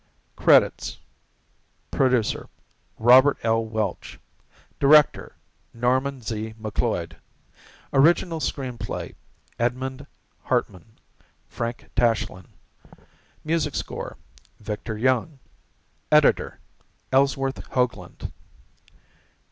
Credits: Producer, Robert L. Welch; director, Norman Z. McLeod; original screenplay, Edmund Hartmann, Frank Tashlin; music score, Victor Young; editor, Ellsworth Hoagland.